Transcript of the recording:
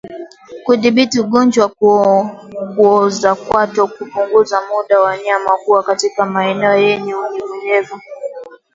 Kudhibiti ugonjwa wa kuoza kwato punguza muda wa wanyama kuwa katika maeneo yenye unyevunyevu